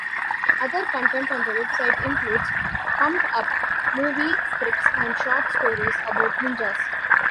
Other content on the website includes "pump-up" movie scripts and short stories about ninjas.